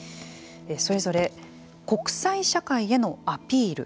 それぞれ、国際社会へのアピール。